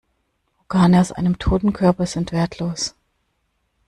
Organe aus einem toten Körper sind wertlos.